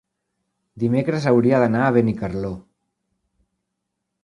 Dimecres hauria d'anar a Benicarló.